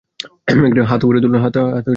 হাত উপরে তুলুন।